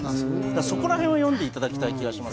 そこらへんを読んでいただきたい気がします。